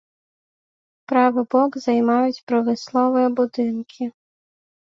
Правы бок займаюць прамысловыя будынкі.